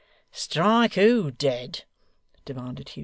Strike who dead?' demanded Hugh.